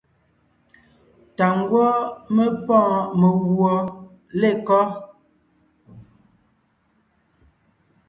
Tà ngwɔ́ mé pɔ́ɔn meguɔ lekɔ́?